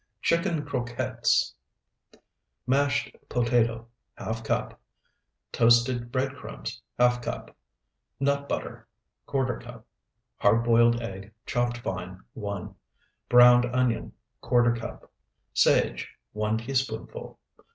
CHICKEN CROQUETTES Mashed potato, ½ cup. Toasted bread crumbs, ½ cup. Nut butter, ¼ cup. Hard boiled egg, chopped fine, 1. Browned onion, ¼ cup. Sage, 1 teaspoonful.